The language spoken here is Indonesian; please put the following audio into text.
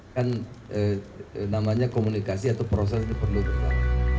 kan namanya komunikasi atau proses itu perlu berjalan